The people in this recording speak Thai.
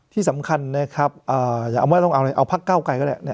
ที่สำคัญนะครับเอาพักเก้าไก่ก็ได้